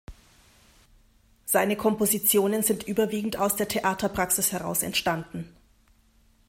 Seine Kompositionen sind überwiegend aus der Theaterpraxis heraus entstanden.